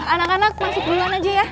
anak anak masuk duluan aja ya